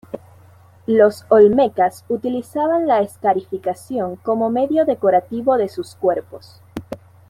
Los Olmecas utilizaban la escarificación como medio decorativo de sus cuerpos.